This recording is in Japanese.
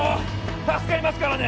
助かりますからね